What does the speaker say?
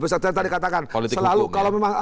biasa dari dulu